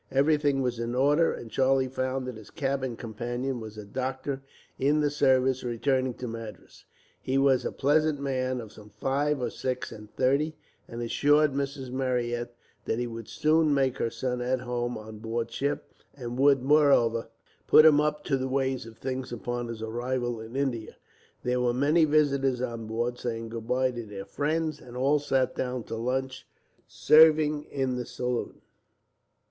Everything was in order, and Charlie found that his cabin companion was a doctor in the service, returning to Madras. He was a pleasant man, of some five or six and thirty, and assured Mrs. Marryat that he would soon make her son at home on board ship, and would, moreover, put him up to the ways of things upon his arrival in India. There were many visitors on board, saying goodbye to their friends, and all sat down to lunch, served in the saloon.